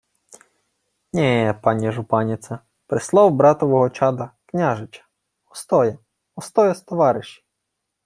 — Нє, пані жупаніце. Прислав братового чада, княжича... Остоя. Остоя з товариші.